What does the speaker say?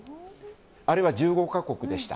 あれは１５か国でした。